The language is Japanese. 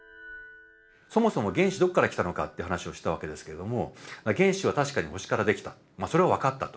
そもそも原子どっから来たのかって話をしたわけですけれども原子は確かに星からできたそれは分かったと。